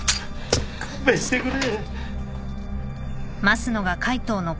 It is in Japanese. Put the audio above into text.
勘弁してくれ。